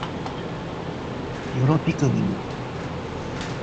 よろぴくみん